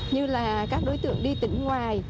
như là các đối tượng đi tỉnh ngoài